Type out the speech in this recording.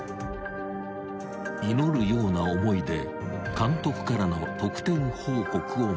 ［祈るような思いで監督からの得点報告を待つ］